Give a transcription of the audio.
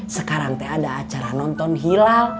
sekarang teh ada acara nonton hilal